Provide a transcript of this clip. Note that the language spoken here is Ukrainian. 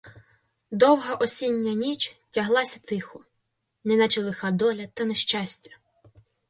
Довга осіння ніч тяглася тихо, неначе лиха доля та нещастя.